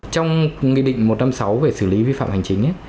trong nghị định một trăm năm mươi sáu về xử lý vi phạm hành chính